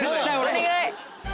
お願い！